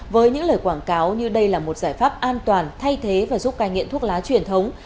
với những lời quảng cáo như đây là một giải pháp an toàn thay thế và giúp cài nghiện thuốc lá truyền thống